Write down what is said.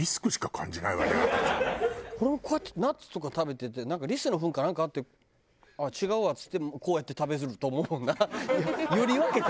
俺もこうやってナッツとか食べててなんかリスのフンかなんかあってああ違うわっつってこうやって食べると思うなあ。